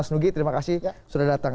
mas nugi terima kasih sudah datang